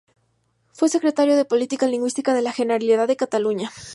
Fue Secretario de Política Lingüística de la Generalidad de Cataluña.